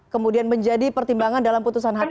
kemudian menjadi pertimbangan dalam putusan hakim